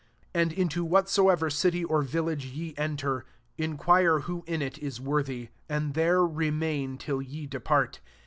11 And into whatsoever city or village ye enter, inquire who in it is worthy ; and there remain, till ye depart.